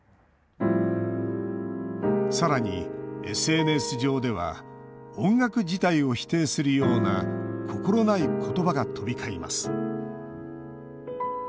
さらにＳＮＳ上では音楽自体を否定するような心ない言葉が飛び交います。